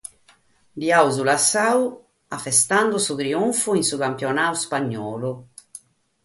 L’aìamus lassadu festende su triunfu in su campionadu ispagnolu.